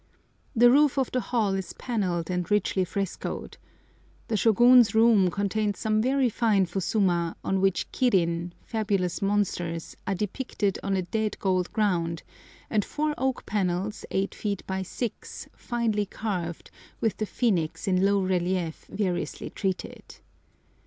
The roof of the hall is panelled and richly frescoed. The Shôgun's room contains some very fine fusuma, on which kirin (fabulous monsters) are depicted on a dead gold ground, and four oak panels, 8 feet by 6, finely carved, with the phoenix in low relief variously treated.